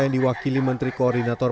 yang diwakili menteri koordinator